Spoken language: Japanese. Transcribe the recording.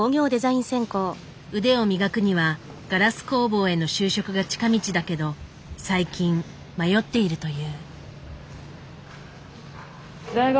腕を磨くにはガラス工房への就職が近道だけど最近迷っているという。